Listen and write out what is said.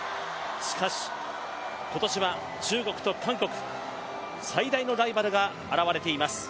しかし今年は中国と韓国、最大のライバルが現れています。